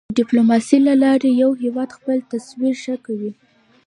د ډیپلوماسی له لارې یو هېواد خپل تصویر ښه کوی.